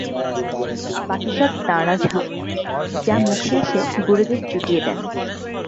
বাকী সব দাঁড়াঝাঁপ, যা মুখে আসে গুরুদেব জুটিয়ে দেন।